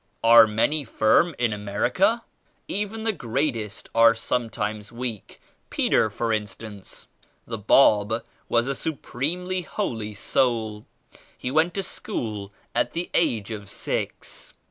Are many firm in America? Even the greatest are sometimes weak; Peter for in stance." "The Bab was a supremely holy soul. He went to school at the age of six.